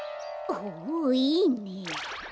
ほおいいね。